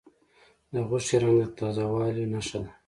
د غوښې رنګ د تازه والي نښه ده.